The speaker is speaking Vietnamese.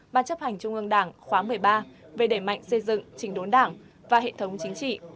ban chấp hành trung ương đảng khóa một mươi ba về đẩy mạnh xây dựng trình đốn đảng và hệ thống chính trị